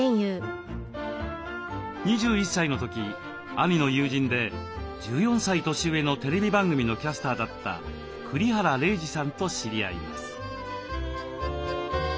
２１歳の時兄の友人で１４歳年上のテレビ番組のキャスターだった栗原玲児さんと知り合います。